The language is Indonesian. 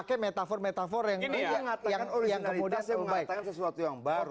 memakai metafor metafor yang kemudian mengatakan sesuatu yang baru